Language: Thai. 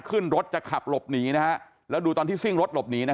เมื่อเวลามันกลายเป้าหมายแล้วมันกลายเป้าหมาย